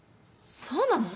そうなの！？